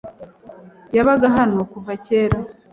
yabaga hano kuva cyera